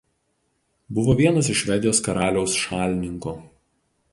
Buvo vienas iš Švedijos karaliaus šalininkų.